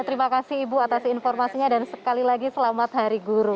terima kasih ibu atas informasinya dan sekali lagi selamat hari guru